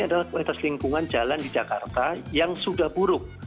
adalah kualitas lingkungan jalan di jakarta yang sudah buruk